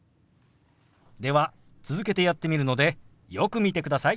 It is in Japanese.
では続けてやってみるのでよく見てください。